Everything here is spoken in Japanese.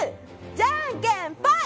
じゃんけんぽい！